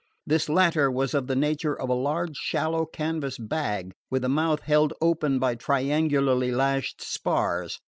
This latter was of the nature of a large shallow canvas bag, with the mouth held open by triangularly lashed spars.